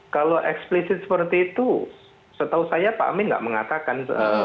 kalau eksplisit seperti itu setahu saya pak amin tidak mengatakan